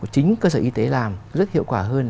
chính cơ sở y tế làm rất hiệu quả hơn